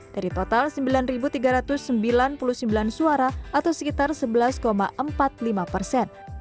dari total sembilan tiga ratus sembilan puluh sembilan suara atau sekitar sebelas empat puluh lima persen